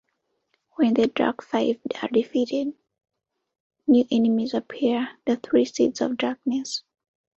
When the Dark Five are defeated, new enemies appear: the Three Seeds of Darkness.